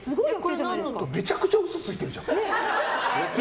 めちゃくちゃ嘘ついてるじゃん。